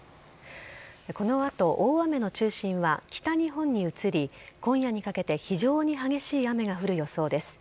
この後、大雨の中心は北日本に移り今夜にかけて非常に激しい雨が降る予想です。